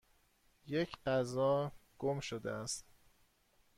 یک غذا گم شده است.